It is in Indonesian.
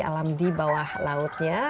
alam di bawah lautnya